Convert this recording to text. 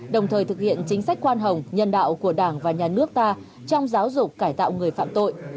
đồng thời thực hiện chính sách khoan hồng nhân đạo của đảng và nhà nước ta trong giáo dục cải tạo người phạm tội